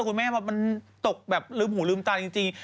คุณแม่มันตกแบบลืมหูลืมตาจริง